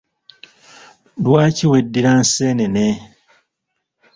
Lwaki weddira nseenene?